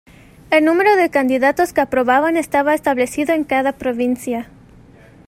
El número de candidatos que aprobaban estaba establecido en cada provincia.